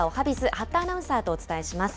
八田アナウンサーとお伝えします。